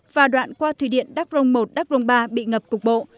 và đoạn qua thủy điện đắc rồng một đắc rồng ba bị ngập cục bộ